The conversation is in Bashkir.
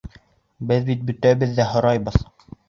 Беҙ бит бөтәбеҙ ҙә һорайбыҙ.